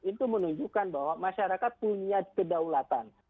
itu menunjukkan bahwa masyarakat punya kedaulatan